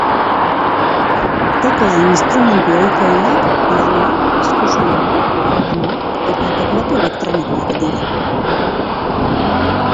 Tekla instrumentu ohikoenak pianoa, eskusoinua, organoa eta teklatu elektronikoak dira.